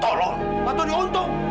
tolong batu diuntung